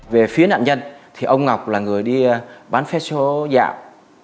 về phía nạn nhân thì ông ngọc là người đi bán vé số dạo